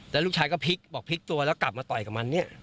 แล้วลูกชายก็พลิกบอกพลิกตัวแล้วกลับมาต่อยกับมันเนี่ย